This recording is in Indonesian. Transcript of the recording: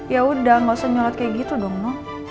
ya udah gak usah nyulat kayak gitu dong noh